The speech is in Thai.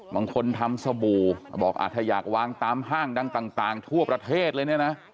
บางคนทำสบู่บอกถ้าอยากวางตามห้างดังต่างทั่วประเทศเลยเนี่ยนะ